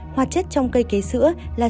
hoạt chất trong cây kế sữa là